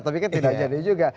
tapi kan tidak jadi juga